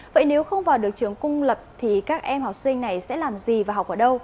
vậy nếu không vào được trường công lập thì các em học sinh này sẽ làm gì và học ở đâu